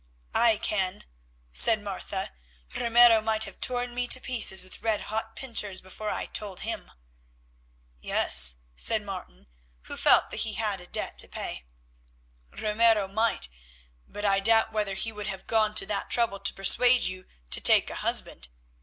"I can," said Martha. "Ramiro might have torn me to pieces with red hot pincers before I told him." "Yes," said Martin, who felt that he had a debt to pay, "Ramiro might, but I doubt whether he would have gone to that trouble to persuade you to take a husband.